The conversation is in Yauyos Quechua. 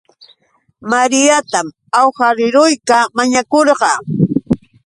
Mariatam awhariieuta mañakurqaa